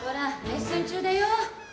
レッスン中だよ。